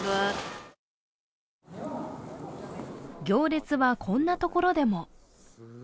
行列はこんなところでも。